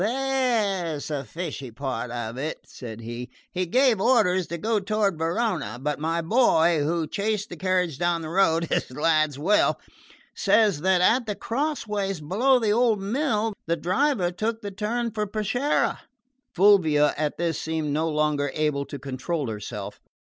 "There's the fishy part of it," said he. "He gave orders to go toward Verona; but my boy, who chased the carriage down the road, as lads will, says that at the cross ways below the old mill the driver took the turn for Peschiera." Fulvia at this seemed no longer able to control herself.